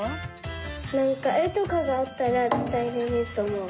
なんかえとかがあったらつたえられるとおもう。